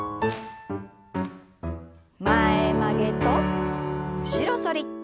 前曲げと後ろ反り。